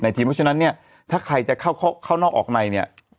เพราะฉะนั้นเนี่ยถ้าใครจะเข้านอกออกในเนี่ย